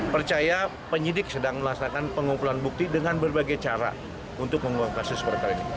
percaya penyidik sedang melaksanakan pengumpulan bukti dengan berbagai cara untuk mengungkap kasus perkara ini